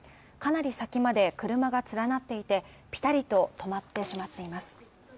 かなり先まで車が連なっていて、ピタリと止まってしまっています